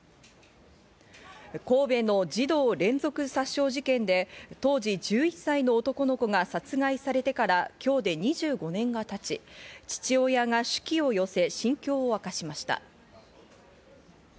神戸の児童連続殺傷事件で、当時１１歳の男の子が殺害されてから今日で２５年が経ち、父親が手記を寄せ、心境を明かしました。